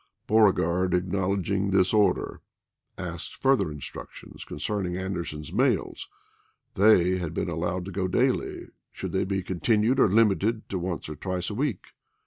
Beam egard, acknowledging this order, asked fur J|rd to ther instructions concerning Anderson's mails ; Aprfu.igei. W R Vol they had been allowed to go daily, should they be i'. p" 286. ' continued or limited to once or twice a week